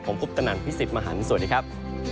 ผมคุปตนันพี่สิทธิ์มหันฯสวัสดีครับ